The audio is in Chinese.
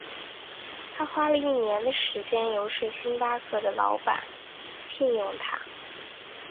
他花了一年的时间游说星巴克的老板聘用他。